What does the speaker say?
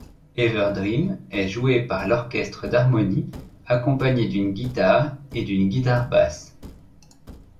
Ever Dream est jouée par l'orchestre d'harmonie accompagné d'une guitare et d'une guitare basse.